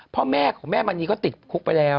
พ่อแม่ของแม่มณีก็ติดคุกไปแล้ว